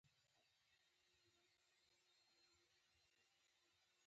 شمه بارقه په پارسي ژبه لیکل شوې ده.